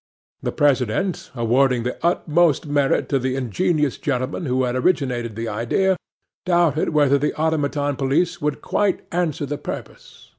'THE PRESIDENT, awarding the utmost merit to the ingenious gentleman who had originated the idea, doubted whether the automaton police would quite answer the purpose.